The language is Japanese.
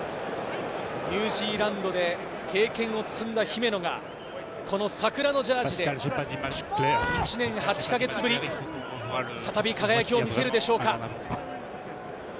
ニュージーランドで経験を積んだ姫野が、この桜のジャージーで１年８か月ぶりに再び輝きを見せるでしょうか。